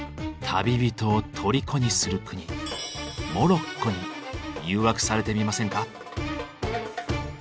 旅人を虜にする国モロッコに誘惑されてみませんか。